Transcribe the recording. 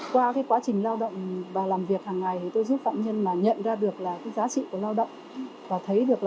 qua cái quá trình lao động và làm việc hàng ngày thì tôi giúp phạm nhân nhận ra được cái giá trị của lao động